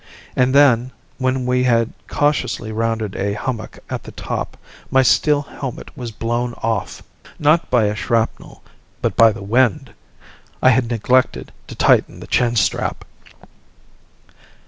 And then, when we had cautiously rounded a hummock at the top, my steel helmet was blown off not by a shrapnel, but by the wind! I had neglected to tighten the chin strap.